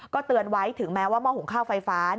เตือนไว้ถึงแม้ว่าหม้อหุงข้าวไฟฟ้า